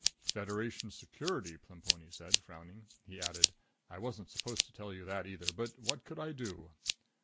"Federation security," Plemponi said, frowning. He added, "I wasn't supposed to tell you that either, but what could I do?"